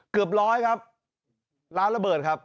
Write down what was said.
เกือบร้อยครับร้านระเบิดครับ